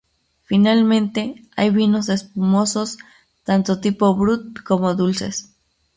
Finalmente, hay vinos espumosos, tanto tipo brut como dulces.